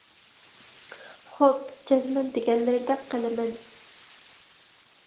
خوپ، جەزمەن دېگەنلىرىدەك قىلىمەن.